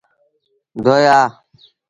ڌوئي آ۔